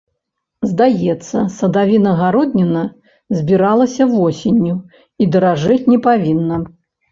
Здаецца, садавіна-гародніна збіралася восенню, і даражэць не павінна.